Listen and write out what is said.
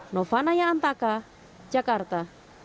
nova naya antaka jakarta